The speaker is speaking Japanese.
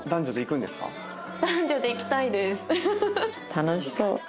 楽しそう。